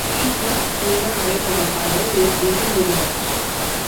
She snuck Nina away from her father, who was drinking with the Dutch.